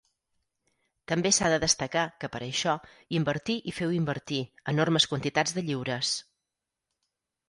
També s'ha de destacar, que per això, invertí i feu invertir, enormes quantitats de lliures.